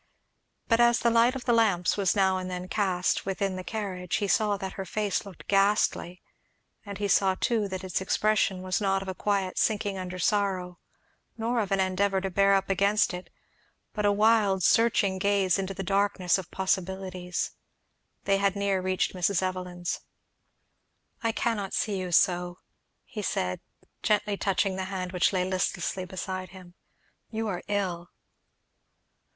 But as the light of the lamps was now and then cast within the carriage he saw that her face looked ghastly; and he saw too that its expression was not of a quiet sinking under sorrow, nor of an endeavour to bear up against it, but a wild searching gaze into the darkness of possibilities. They had near reached Mrs. Evelyn's. "I cannot see you so," he said, gently touching the hand which lay listlessly beside him. "You are ill!"